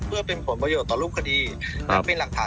จะต้องใช้เป็นหลักฐาน